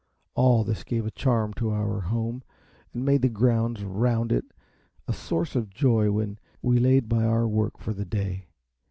All this gave a charm to our home, and made the grounds round it a source of joy when, we laid by our work for the day.